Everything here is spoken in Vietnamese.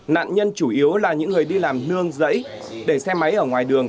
nạn nhân chủ yếu là những người đi làm nương dẫy để xe máy ở ngoài đường